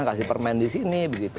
kasih permen disini